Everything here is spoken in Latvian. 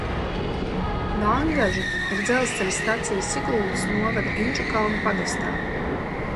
Vangaži ir dzelzceļa stacija Siguldas novada Inčukalna pagastā.